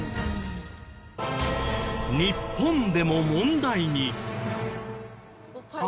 日本でも問題に。